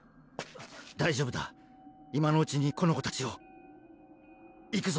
大丈夫だ今のうちにこの子たちをいくぞ！